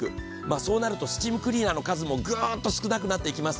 そうなるとスチームクリーナーの数もグッと少なくなります。